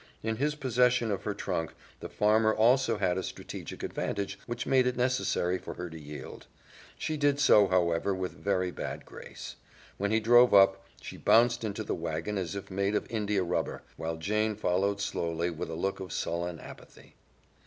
In his possession of her trunk, the farmer also had a strategic advantage which made it necessary for her to yield. She did so, however, with very bad grace. When he drove up, she bounced into the wagon as if made of India rubber, while Jane followed slowly, with a look of sullen apathy.